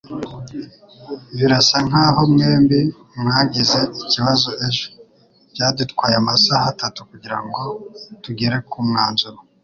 Birasa nkaho mwembi mwagize ikibazo ejo. Byadutwaye amasaha atatu kugirango tugere ku mwanzuro.